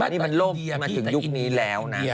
นี่มันโลกมาถึงยุคนี้แล้วนะ